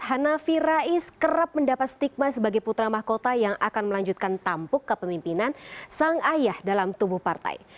hanafi rais kerap mendapat stigma sebagai putra mahkota yang akan melanjutkan tampuk kepemimpinan sang ayah dalam tubuh partai